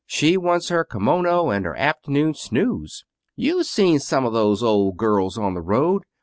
She wants her kimono and her afternoon snooze. You've seen some of those old girls on the road.